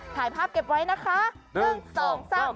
ถ่ายภาพเก็บไว้นะคะ